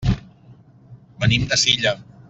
Venim de Silla.